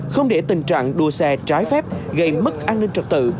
không để tình trạng đua xe trái phép gây mất an ninh trật tự